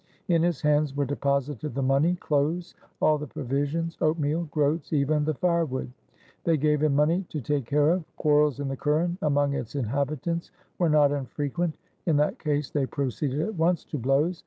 In his hands were deposited the money, clothes, all the provisions, oatmeal, groats, even the firewood. They gave him money to take care of. Quarrels in the kuren among its inhabitants were not infrequent; in that case they proceeded at once to blows.